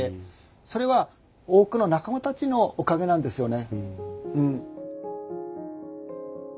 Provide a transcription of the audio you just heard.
それは多くの仲間たちのおかげなんですよね。